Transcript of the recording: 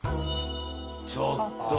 ちょっと。